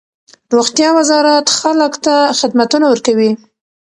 روغتیا وزارت خلک ته خدمتونه ورکوي.